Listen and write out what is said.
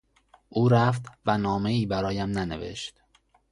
او رفت و نامهای برایم ننوشت.